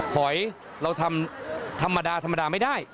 หอยเราทำธรรมดาธรรมดาไม่ได้